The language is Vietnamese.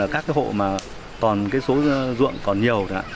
các hộ mà còn số ruộng còn nhiều